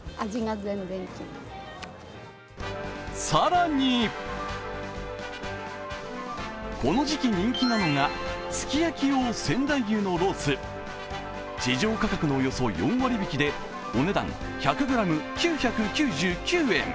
更にこの時期人気なのが、すき焼き用仙台牛のロース市場価格のおよそ４割引でお値段１００ｇ９９９円。